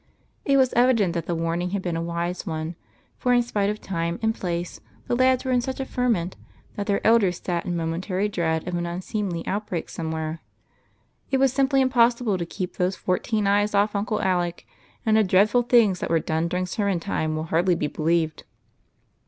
It was evident that the warning had been a wise one, for, in sjDite of time and j^lace, the lads were in snch a ferment that their elders sat in momentary dread of an unseemly outbreak somewhere. It was simply im possible to keei3 those fourteen eyes off Uncle Alec, and the dreadful things that were done during sermon time will hardly be believed.